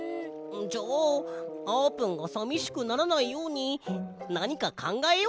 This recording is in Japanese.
じゃああーぷんがさみしくならないようになにかかんがえようぜ。